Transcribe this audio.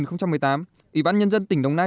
ủy ban nhân dân tỉnh đồng nai